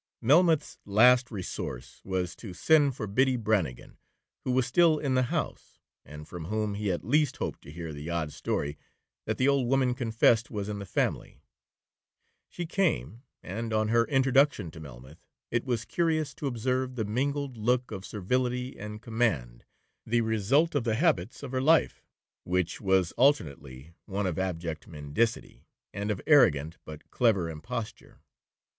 Melmoth's last resource was to send for Biddy Brannigan, who was still in the house, and from whom he at least hoped to hear the odd story that the old woman confessed was in the family. She came, and, on her introduction to Melmoth, it was curious to observe the mingled look of servility and command, the result of the habits of her life, which was alternately one of abject mendicity, and of arrogant but clever imposture.